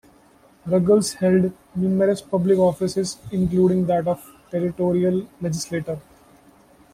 Ruggles held numerous public offices including that of Territorial Legislator.